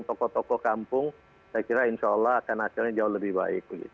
tokoh tokoh kampung saya kira insya allah akan hasilnya jauh lebih baik